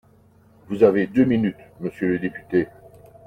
Vous avez deux minutes, monsieur le député.